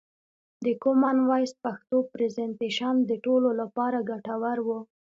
د کومن وایس پښتو پرزنټیشن د ټولو لپاره ګټور و.